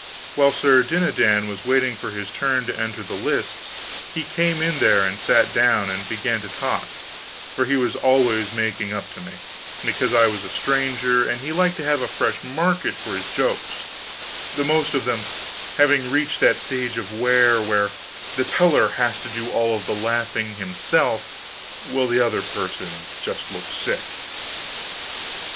While Sir Dinadan was waiting for his turn to enter the lists, he came in there and sat down and began to talk; for he was always making up to me, because I was a stranger and he liked to have a fresh market for his jokes, the most of them having reached that stage of wear where the teller has to do the laughing himself while the other person looks sick.